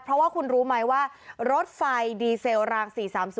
เพราะว่าคุณรู้ไหมว่ารถไฟดีเซลราง๔๓๐